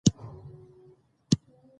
چې په خپلو دربارونو کې يې څو زره